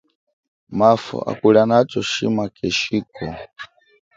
Mafo akulia nacho shima keshiko.